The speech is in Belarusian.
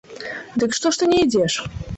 Дык што ж ты не ідзеш!